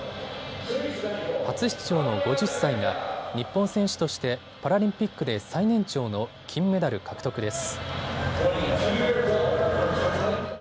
初出場の５０歳が日本選手としてパラリンピックで最年長の金メダル獲得です。